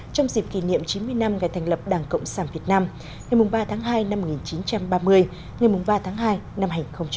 trong dịp kỷ niệm chín mươi năm ngày thành lập đảng cộng sản việt nam ngày ba tháng hai năm một nghìn chín trăm ba mươi ngày ba tháng hai năm hai nghìn hai mươi